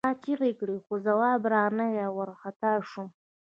ما چیغې کړې خو ځواب را نغی او وارخطا شوم